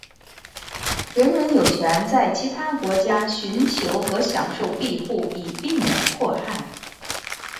人人有权在其他国家寻求和享受庇护以避免迫害。